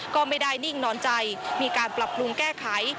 ก็ไม่ได้นิ่งนอนใจมีการปรับปรุงแก้ไข